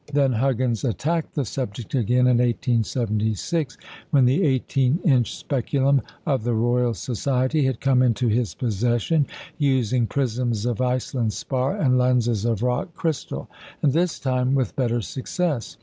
Then Huggins attacked the subject again in 1876, when the 18 inch speculum of the Royal Society had come into his possession, using prisms of Iceland spar and lenses of rock crystal; and this time with better success.